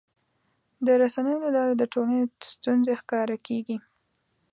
د رسنیو له لارې د ټولنې ستونزې ښکاره کېږي.